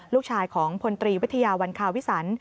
ลูกชายของพลตรีวิทยาวันคาวิสัน